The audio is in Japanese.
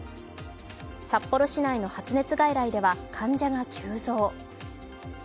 札幌市内の発熱外来では患者が急増。